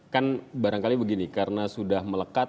kan barangkali begini karena sudah melekat